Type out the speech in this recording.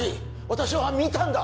私は見たんだ！